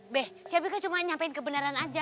be shelby kan cuma nyampein kebenaran aja